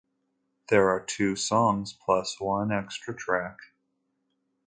There are two songs plus one extra track.